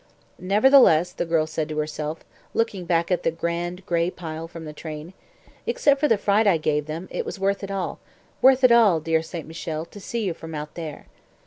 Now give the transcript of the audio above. "Nevertheless," the girl said to herself, looking back at the grand, gray pile from the train, "except for the fright I gave them, it was worth it all worth it all, dear St. Michel, to see you from out there."